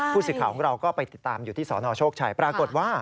ผู้สื่อข่าวของเราก็ไปติดตามอยู่ที่สนโชคชัยปรากฏว่า